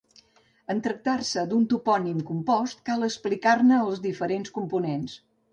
En tractar-se d'un topònim compost, cal explicar-ne els diferents components.